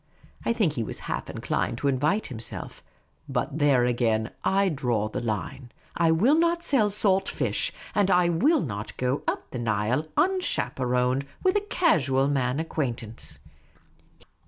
I think he was half inclined to invite himself ; but there again I drew the line. I will not sell salt fish ; and I will not go up the Nile, unchaperoned, with a casual man acquaint ance.